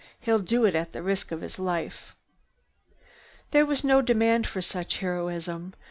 He'd do it at the risk of his life." There was no demand for such heroism.